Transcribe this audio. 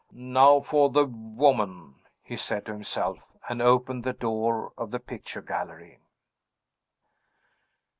"Now for the woman!" he said to himself and opened the door of the picture gallery.